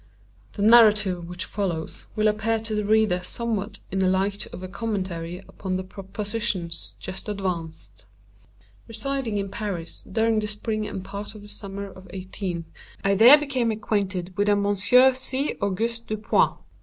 The narrative which follows will appear to the reader somewhat in the light of a commentary upon the propositions just advanced. Residing in Paris during the spring and part of the summer of 18—, I there became acquainted with a Monsieur C. Auguste Dupin.